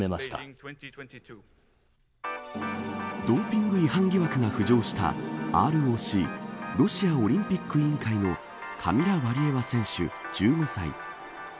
ドーピング違反疑惑が浮上したＲＯＣロシアオリンピック委員会のカミラ・ワリエワ選手、１５歳。